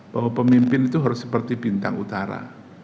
bahwa pemimpin itu harus seperti bintang utara